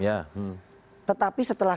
ya tetapi setelah